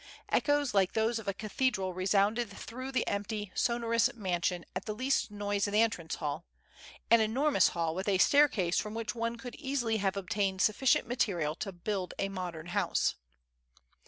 Echoes like those of a cathedral resounded through the empty, sonorous mansion at the least noise in the entrance hall, an enormous hall with a staircase from which one could easily have obtained sufficient material to build a modern house.